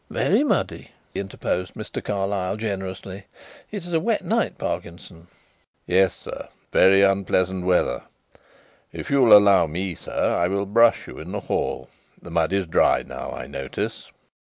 "Very muddy," interposed Mr. Carlyle generously. "It is a wet night, Parkinson." "Yes, sir; very unpleasant weather. If you will allow me, sir, I will brush you in the hall. The mud is dry now, I notice.